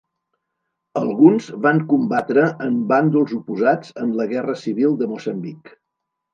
Alguns van combatre en bàndols oposats en la guerra civil de Moçambic.